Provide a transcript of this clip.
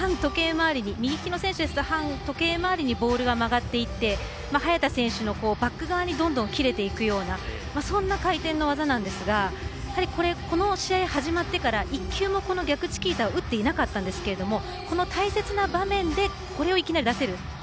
右利きの選手ですと反時計回りにボールが曲がっていって早田選手のバック側にどんどん切れていくようなそんな回転の技なんですがこの試合始まってから１球も逆チキータを打っていなかったんですがその大切な場面でこれをいきなり出せる。